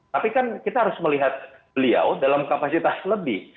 tapi kan kita harus melihat beliau dalam kapasitas lebih